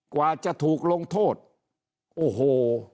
กว่าจะถูกลงโทษโอ้โห